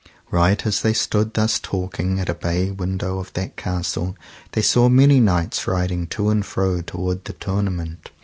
Right as they stood thus talking at a bay window of that castle, they saw many knights riding to and fro toward the tournament.